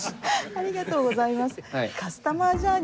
ありがとうございます。